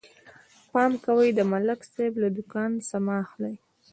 پام کوئ، د ملک صاحب له دوکان څه مه اخلئ.